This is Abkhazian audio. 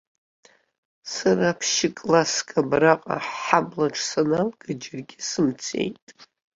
Сара ԥшькласск абраҟа, ҳҳаблаҿы саналга, џьаргьы сымцеит.